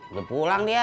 udah pulang dia